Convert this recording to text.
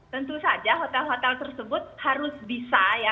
tentu saja hotel hotel tersebut harus bisa ya